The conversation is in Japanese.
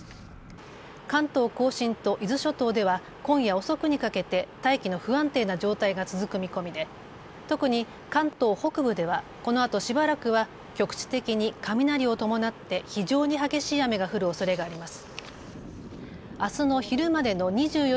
関東甲信と伊豆諸島では今夜遅くにかけて大気の不安定な状態が続く見込みで特に関東北部ではこのあとしばらくは局地的に雷を伴って非常に激しい雨が降るおそれがあります。